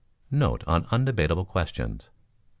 Note On Undebatable Questions.